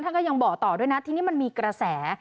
ก็ยังบอกต่อด้วยนะทีนี้มันมีกระแส